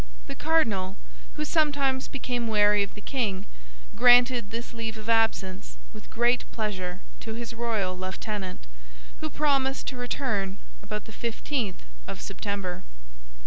The cardinal, who sometimes became weary of the king, granted this leave of absence with great pleasure to his royal lieutenant, who promised to return about the fifteenth of September.